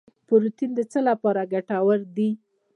پروټین د څه لپاره ګټور دی